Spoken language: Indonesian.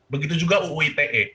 begitu juga uu ite